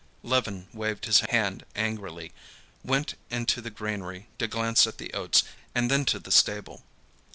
Levin waved his hand angrily, went into the granary to glance at the oats, and then to the stable.